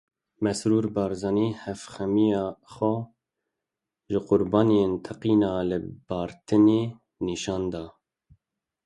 Mesrûr Barzanî hevxemiya xwe ji qurbaniyên teqîna li Bartinê nîşan da.